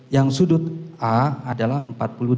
yang sudut a adalah empat puluh delapan